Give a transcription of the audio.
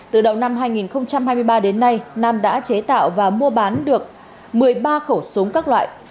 từ đầu năm hai nghìn hai mươi ba đến nay nam đã chế tạo và mua bán được một mươi ba khẩu súng các loại